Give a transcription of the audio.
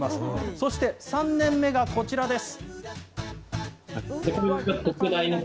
そして３年目がこちらです。